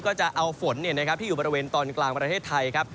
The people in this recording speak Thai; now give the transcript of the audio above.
ก็จะเอาฝนที่อยู่บริเวณตอนกลางประเทศไทยครับ